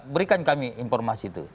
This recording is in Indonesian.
berikan kami informasi itu